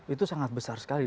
itu sangat besar sekali